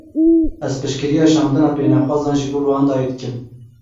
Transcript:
Ez piştgiriya şandina pênaxwazan ji bo Ruandayê dikim.